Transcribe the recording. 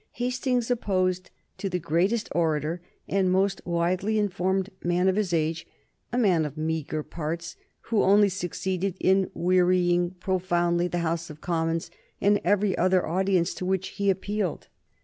Hastings opposed to the greatest orator and most widely informed man of his age, a man of meagre parts, who only succeeded in wearying profoundly the House of Commons and every other audience to which he appealed.